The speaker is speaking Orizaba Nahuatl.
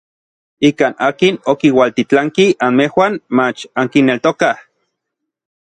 Ikan akin okiualtitlanki anmejuan mach ankineltokaj.